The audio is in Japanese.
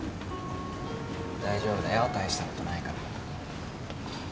大丈夫だよ大したことないから。